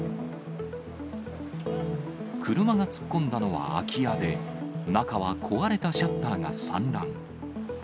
車が突っ込んだのは空き家で、中は壊れたシャッターが散乱。